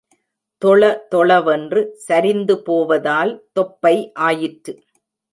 தொள தொள வென்று சரிந்து போவதால், தொப்பை ஆயிற்று.